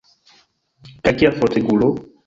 Kaj kia fortegulo!